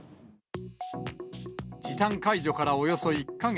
時短解除からおよそ１か月。